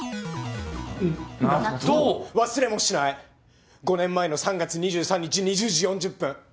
忘れもしない５年前の３月２３日２０時４０分。